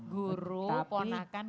guru ponakan kiasan